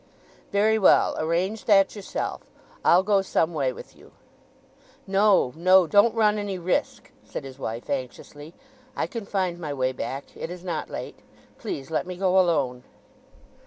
"Very well—arrange that yourself. I'll go some way with you." "No, no. Don't run any risk!" said his wife anxiously. "I can find my way back—it is not late. Please let me go alone."